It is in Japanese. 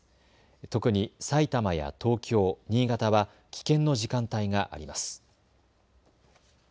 特にさいたまや東京、新潟は危険の時間帯があります。